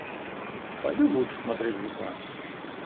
Пойдем лучше смотреть жука.